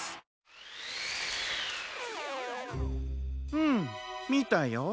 うんみたよ。